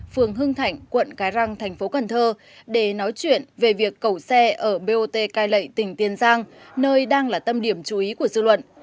phường hưng thảnh quận cái răng tp cn để nói chuyện về việc cầu xe ở bot cai lệ tỉnh tiền giang nơi đang là tâm điểm chú ý của dư luận